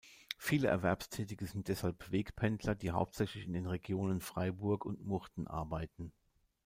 Viele Erwerbstätige sind deshalb Wegpendler, die hauptsächlich in den Regionen Freiburg und Murten arbeiten.